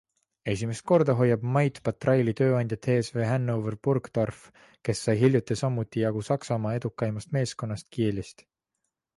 Esimest kohta hoiab Mait Patraili tööandja TSV Hannover-Burgdorf, kes sai hiljuti samuti jagu Saksamaa edukaimast meeskonnast Kielist.